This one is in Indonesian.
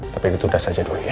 tapi ditunda saja dulu ya